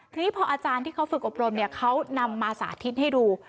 ทีนี้พออาจารย์ที่เขาฝึกอบรมเนี่ยเขานำมาสาธิตให้ดู